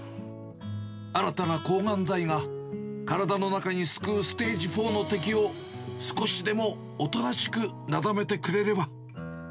新たな抗がん剤が、体の中に巣くうステージ４の敵を少しでもおとなしくなだめてくれれば。